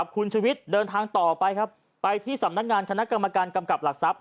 คุณชุวิตเดินทางต่อไปครับไปที่สำนักงานคณะกรรมการกำกับหลักทรัพย